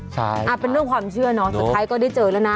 ใช่เป็นเรื่องความเชื่อเนอะสุดท้ายก็ได้เจอแล้วนะ